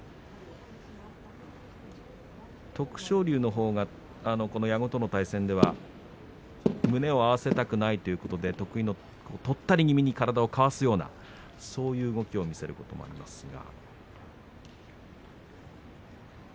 徳勝龍のほうは矢後との対戦では胸を合わせたくないということで得意のとったり気味に体をかわすようなそういう動きを見せることもありますが。